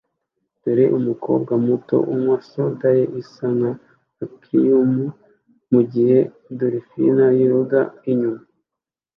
Dore umukobwa muto unywa soda ye isa na aquarium mugihe dolphine yoga inyuma